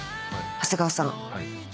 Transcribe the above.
長谷川さん。